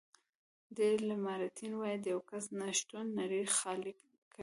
ډي لمارټین وایي د یو کس نه شتون نړۍ خالي کوي.